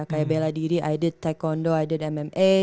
kayak bela diri i did taekwondo i did mma